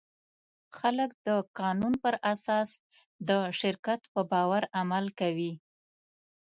خلک د قانون پر اساس د شرکت په باور عمل کوي.